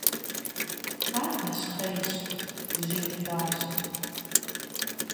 Ар нэщхъейщ, жьыи хъуащ.